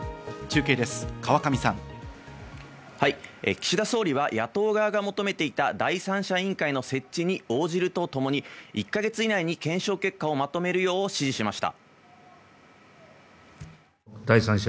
岸田総理は野党側が求めていた第三者委員会の設置に応じるとともに、１か月以内に検証結果をまとめるよう指示しました。